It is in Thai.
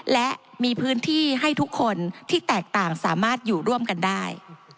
และมีพื้นที่ให้ทุกคนที่แตกต่างสามารถอยู่ร่วมกันได้